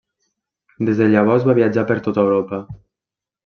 Des de llavors va viatjar per tota Europa.